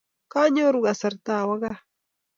Kanyoru kasarta awo kaa